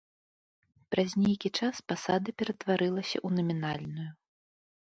Праз нейкі час пасада ператварылася ў намінальную.